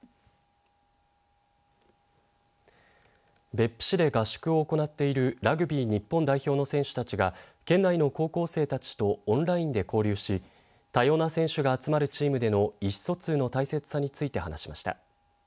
別府市で合宿を行っているラグビー日本代表の選手たちが県内の高校生たちとオンラインで交流し多様な選手が集まるチームでの意志疎通の大切さについて話しました。